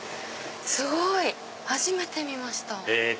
すごい初めて見ました。